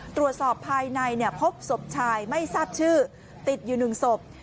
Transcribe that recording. ตรวจสอบภายในพบศพชายไม่ทราบชื่อติดอยู่๑ศพ